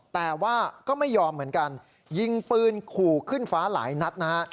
แต่ว่าก็ไม่ยอมเหมือนกันยิงปืนขู่ขึ้นฟ้าหลายนัดนะฮะ